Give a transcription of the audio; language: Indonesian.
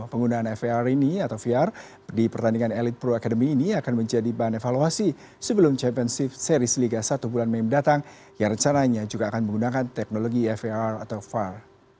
penggunaan far ini atau vr di pertandingan elite pro academy ini akan menjadi bahan evaluasi sebelum championship series liga satu bulan mei mendatang yang rencananya juga akan menggunakan teknologi far atau var